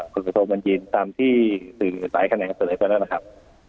ผู้โดยโทษบรรยีนตามที่สื่อสายคะแนนเสริมไปแล้วนะครับ